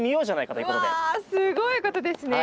うわすごいことですね。